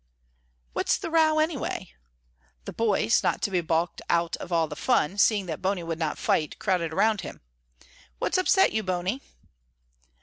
"What's the row, anyway?" The boys, not to be balked out of all the fun, seeing that Bony would not fight, crowded around him. "What's upset you, Bony?"